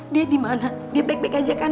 dia dimana dia baik baik aja kan